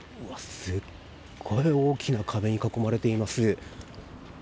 すごい大きな壁に囲まれています。